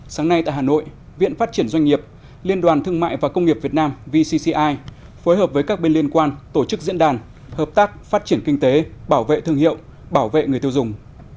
sáng nay tại hà nội viện phát triển doanh nghiệp liên đoàn thương mại và công nghiệp việt nam vcci phối hợp với các bên liên quan tổ chức diễn đàn hợp tác phát triển kinh tế bảo vệ thương hiệu bảo vệ người tiêu dùng